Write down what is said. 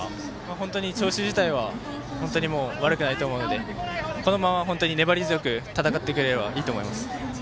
本当に調子自体は悪くないと思うので粘り強く戦ってくれればいいと思います。